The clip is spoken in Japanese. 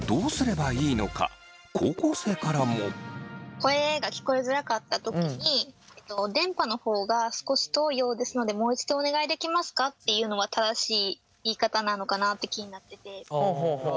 声が聞こえづらかった時に「電波の方が少し遠いようですのでもう一度お願いできますか？」って言うのは正しい言い方なのかなって気になってて。